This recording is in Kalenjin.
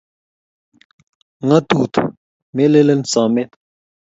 Ngatut melen someet.